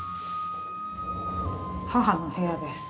母の部屋です。